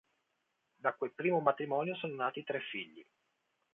Da quel primo matrimonio sono nati tre figli.